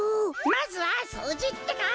まずはそうじってか。